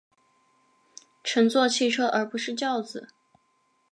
乘坐汽车而不是轿子